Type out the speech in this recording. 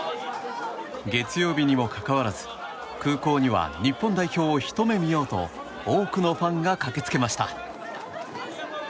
月曜日にもかかわらず空港には日本代表をひと目見ようと多くのファンが駆けつけました。